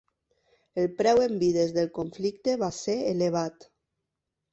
El preu en vides del conflicte va ser elevat.